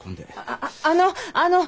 ああのあの！